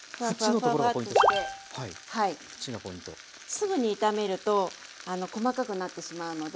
すぐに炒めると細かくなってしまうので。